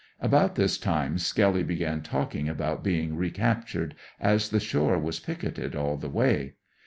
About this time Skelly began talking about being recaptured, as the shore was picketed all the way.